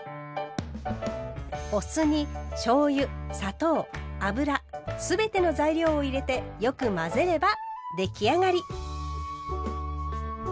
お酢にしょうゆ砂糖油すべての材料を入れてよく混ぜれば出来上がり。